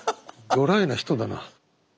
ドライな人だな。